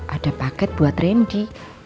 ada paket buat randy